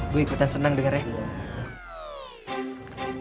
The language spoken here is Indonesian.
gue ikutan senang dengarnya